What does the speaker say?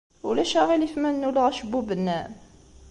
Ulac aɣilif ma nnuleɣ acebbub-nnem?